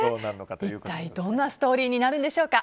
一体どんなストーリーになるんでしょうか。